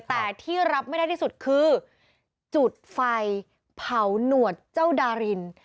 แต่ที่รับไม่ได้ที่สุดคือจุดไฟเผาหนวดเจ้าดาริน